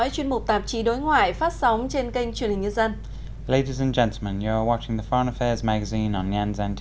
cảm ơn các bạn đã theo dõi